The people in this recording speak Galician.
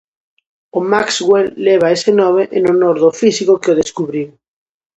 O máxwell leva ese nome en honor do físico que o descubriu.